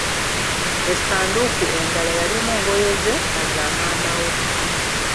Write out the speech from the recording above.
Essanduuku endala yalimu ngoye ze na za maama we.